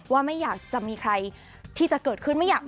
ว่าไม่อยากจะมีใครที่จะเกิดขึ้นไม่อยาก